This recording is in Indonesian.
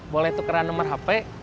boleh tukeran nomor hp